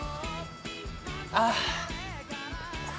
ああ。